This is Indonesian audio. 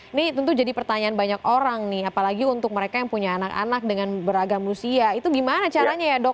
ini tentu jadi pertanyaan banyak orang nih apalagi untuk mereka yang punya anak anak dengan beragam usia itu gimana caranya ya dok